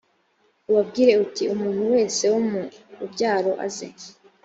ubabwire uti umuntu wese wo mu rubyaro aze